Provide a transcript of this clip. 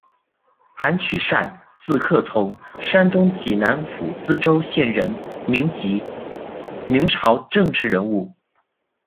韩取善，字克从，山东济南府淄川县人，民籍，明朝政治人物。